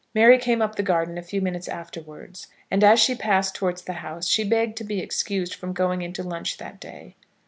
Mary came up the garden a few minutes afterwards, and as she passed towards the house, she begged to be excused from going into lunch that day.